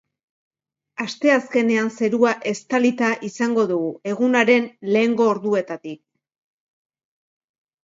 Asteazkenean, zerua estalita izango dugu, egunaren lehengo orduetatik.